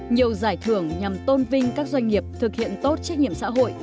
nhiều giải thưởng nhằm tôn vinh các doanh nghiệp thực hiện tốt trách nhiệm xã hội